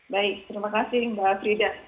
baik terima kasih mbak frida